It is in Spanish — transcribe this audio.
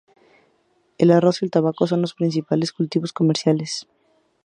El arroz y el tabaco son los principales cultivos comerciales.